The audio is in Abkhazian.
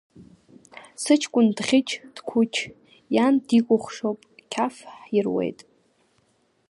Сыҷкәын дӷьыч-дқәыч, иан дикәыхшоуп, қьаф ҳируеит!